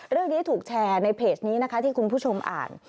เรื่องนี้ถูกแชร์ในเพจนี้นะคะที่คุณผู้ชมอ่าน